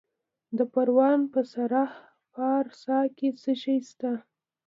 د پروان په سرخ پارسا کې څه شی شته؟